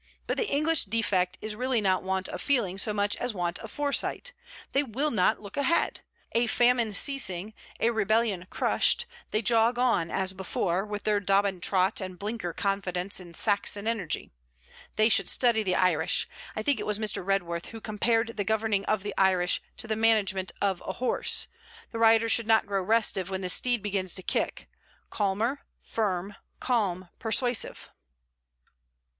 But the English defect is really not want of feeling so much as want of foresight. They will not look ahead. A famine ceasing, a rebellion crushed, they jog on as before, with their Dobbin trot and blinker confidence in "Saxon energy." They should study the Irish: I think it was Mr. Redworth who compared the governing of the Irish to the management of a horse: the rider should not grow restive when the steed begins to kick: calmer; firm, calm, persuasive.'